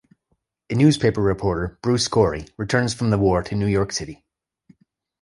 A newspaper reporter, Bruce Corey, returns from the war to New York City.